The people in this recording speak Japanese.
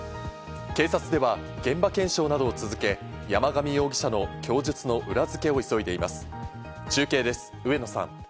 警察では現場検証などを続け、山上容疑者の供述の裏付けを急いでいます。